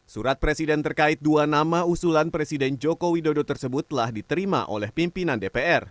surat presiden terkait dua nama usulan presiden joko widodo tersebut telah diterima oleh pimpinan dpr